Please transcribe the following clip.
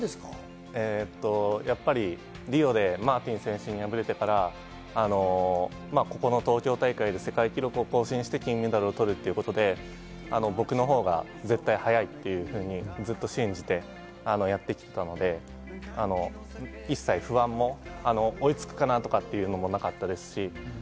リオでマーティン選手に敗れてから、ここの東京大会で世界記録を更新して金メダルを取るということで僕のほうが絶対に速いというふうにずっと信じてやってきていたので一切、不安も追いつくかなというのもなかったですし。